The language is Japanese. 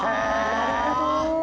なるほど。